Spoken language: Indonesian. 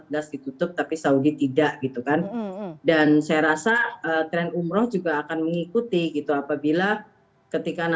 das ditutup tapi saudi tidak gitu kan dan saya rasa tren umroh juga akan mengikuti gitu apabila ketika